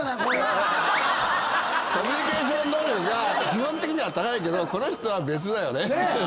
コミュニケーション能力が基本的には高いけどこの人は別だよね。